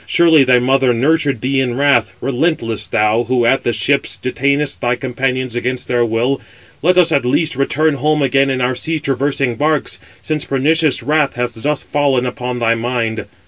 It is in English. surely thy mother nurtured thee in wrath: relentless! thou who at the ships detainest thy companions against their will. Let us at least return home again in our sea traversing barks, since pernicious wrath has thus fallen upon thy mind.